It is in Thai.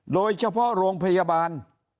โดยเฉพาะโรงพยาบาล